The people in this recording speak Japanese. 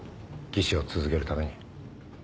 技師を続けるために。